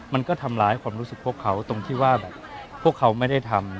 มันก็ทำร้ายความรู้สึกพวกเขาตรงที่ว่าแบบพวกเขาไม่ได้ทำ